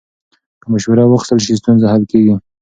که مشوره واخیستل شي، ستونزه حل کېږي.